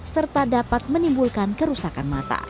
serta dapat menimbulkan kerusakan mata